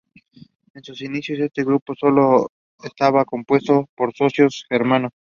En sus inicios, este grupo solo estaba compuesto por socios germanos.